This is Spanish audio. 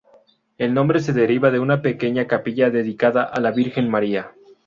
El nombre se deriva de una pequeña capilla dedicada a la Virgen María.